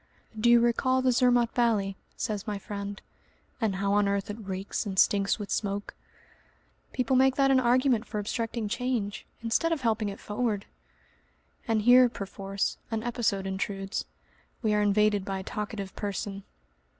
"Do you recall the Zermatt valley?" says my friend, "and how on earth it reeks and stinks with smoke?" "People make that an argument for obstructing change, instead of helping it forward!" And here perforce an episode intrudes. We are invaded by a talkative person.